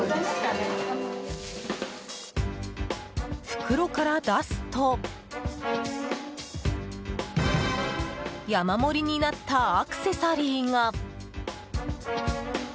袋から出すと山盛りになったアクセサリーが。